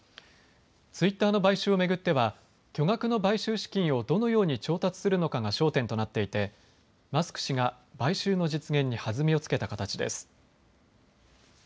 ツイッターの買収を巡っては巨額の買収資金をどのように調達するのかが焦点となっていてマスク氏が買収の実現に弾みをつけた形です。